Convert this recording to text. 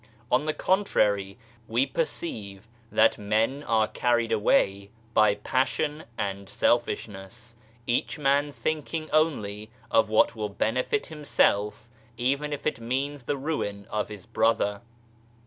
On the contrary, we perceive that men are carried away by passion and selfishness, each man thinking only of what will benefit himself even if it means the ruin of his brother.